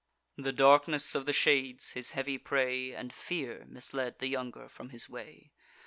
The darkness of the shades, his heavy prey, And fear, misled the younger from his way.